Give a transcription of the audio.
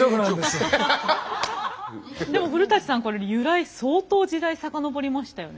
でも古さんこれ由来相当時代遡りましたよね。